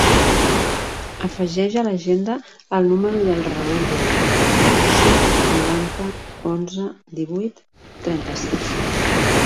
Afegeix a l'agenda el número del Raül Blanch: sis, noranta, onze, divuit, trenta-sis.